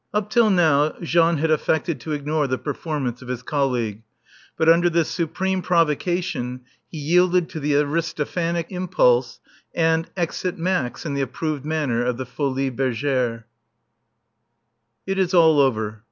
Up till now Jean had affected to ignore the performance of his colleague. But under this supreme provocation he yielded to the Aristophanic impulse, and exit Max in the approved manner of the Folies Bergères. It is all over.